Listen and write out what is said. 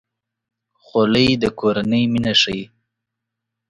خولۍ د کورنۍ مینه ښيي.